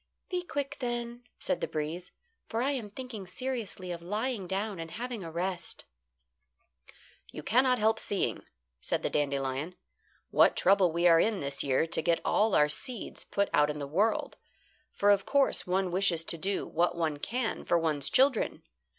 "Be quick then," said the breeze, "for I am thinking seriously of lying down and having a rest." "You cannot help seeing," said the dandelion, "what trouble we are in this year to get all our seeds put out in the world; for, of course, one wishes to do what one can for one's children.